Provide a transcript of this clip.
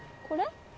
これ？